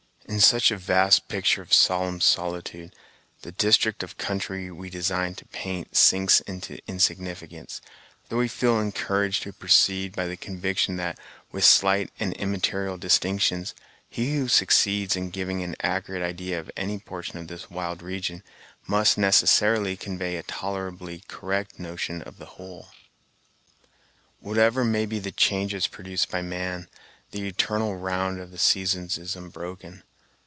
In such a vast picture of solemn solitude, the district of country we design to paint sinks into insignificance, though we feel encouraged to proceed by the conviction that, with slight and immaterial distinctions, he who succeeds in giving an accurate idea of any portion of this wild region must necessarily convey a tolerably correct notion of the whole. Whatever may be the changes produced by man, the eternal round of the seasons is unbroken.